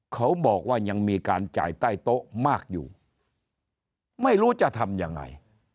เขาบอกว่ายังมีการจ่ายใต้โต๊ะมากอยู่ไม่รู้จะทำยังไง